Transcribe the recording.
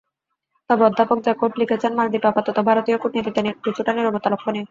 তবে, অধ্যাপক জ্যাকব লিখেছেন, মালদ্বীপে আপাতত ভারতীয় কূটনীতিতে কিছুটা নীরবতা লক্ষণীয়।